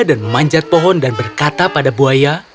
dan dia memanjat pohon dan berkata pada buaya